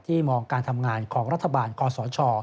มองการทำงานของรัฐบาลคอสช